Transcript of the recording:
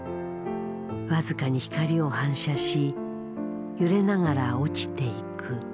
僅かに光を反射し揺れながら落ちていく。